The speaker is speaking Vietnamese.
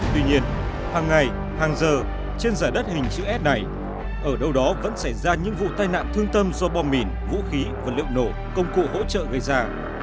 tuy nhiên hàng ngày hàng giờ trên giải đất hình chữ s này ở đâu đó vẫn xảy ra những vụ tai nạn thương tâm do bom mìn vũ khí vật liệu nổ công cụ hỗ trợ gây ra